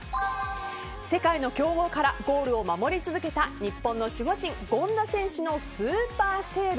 世界の強豪からゴールを守り続けた、日本の守護神権田選手のスーパーセーブ